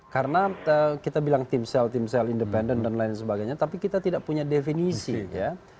karena kita bilang timsel timsel independen dan lain sebagainya tapi kita tidak punya definisi ya